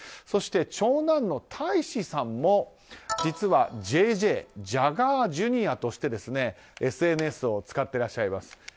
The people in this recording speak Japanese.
そして長男の大維志さんも実は、ＪＪジャガージュニアとしてＳＮＳを使ってらっしゃいます。